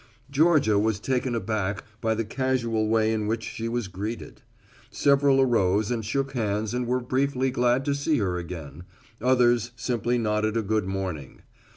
Georgia was taken back by the casual way in which she was greeted. Several arose and shook hands and were briefly glad to see her again; others simply nodded a good morning.